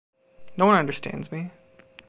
No one understands me.